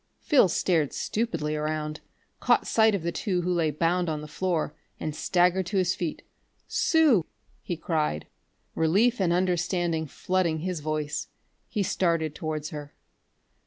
Phil stared stupidly around, caught sight of the two who lay bound on the floor, and staggered to his feet. "Sue!" he cried, relief and understanding flooding his voice. He started towards her.